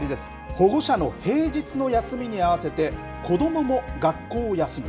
保護者の平日の休みに合わせて、子どもも学校を休む。